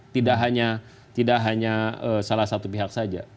tidak hanya salah satu pihak saja